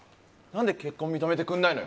何で結婚認めてくれないの。